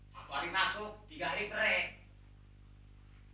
satu hari masuk tiga hari kering